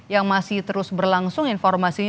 yang masih terus berlangsung informasinya